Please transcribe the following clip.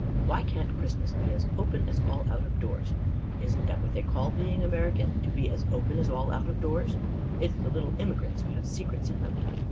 Why can't Christmas be as open as all out of doors? Isn't that what they call being American to be as open as all out of doors? It's the little immigrants who have secrets in them."